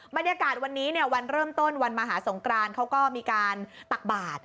บรรยากาศวันนี้เนี่ยวันเริ่มต้นวันมหาสงกรานเขาก็มีการตักบาท